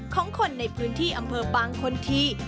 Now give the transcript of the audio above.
ของคนในพื้นที่อำเภอบางคนที